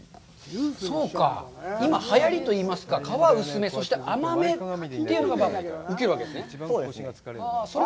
そうか、今はやりといいますか、皮薄め、そして甘めというのが受けるわけですね。